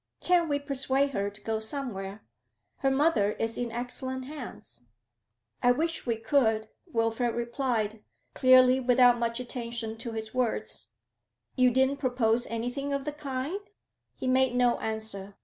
'Can't we persuade her to go somewhere? Her mother is in excellent hands.' 'I wish we could,' Wilfrid replied, clearly without much attention to his words. 'You didn't propose anything of the kind?' He made no answer.